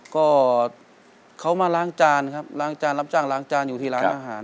ก็เขามาล้างจานครับล้างจานรับจ้างล้างจานอยู่ที่ร้านอาหาร